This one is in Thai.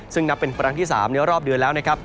ซึ่งนับเป็นครั้งที่๓ในรอบเดือนแล้วนะครับ